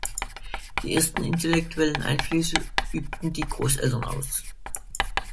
Die ersten intellektuellen Einflüsse übten die Großeltern aus.